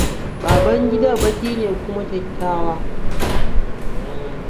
Babangida baƙi ne kuma kyakkywa.